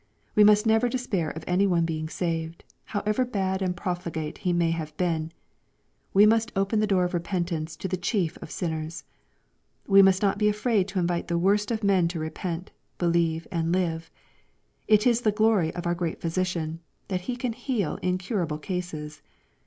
We must never despair of any one being saved, however bad and profligate he may have been. We must open the door of repentance to the chief of sinners. We must not be afraid to invite the worst of men to repent, believe, and live. It is the glory of our Great Physician, that He can heal incurable cases.